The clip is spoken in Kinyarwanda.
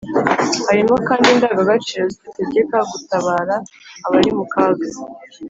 Harimo kandi indangagaciro zidutegeka gutabara abari mu kaga,